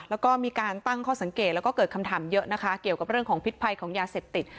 แล้วก็มีการตั้งข้อสังเกตแล้วก็เกิดคำถามเยอะนะคะเกี่ยวกับเรื่องของพิษภัยของยาเสพติด